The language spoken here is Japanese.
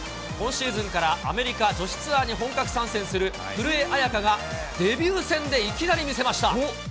今シーズンからアメリカ女子ツアーに本格参戦する古江彩佳がデビュー戦でいきなり見せました。